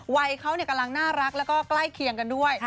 วัยเขากำลังน่ารักแล้วก็ใกล้เคียงกันด้วย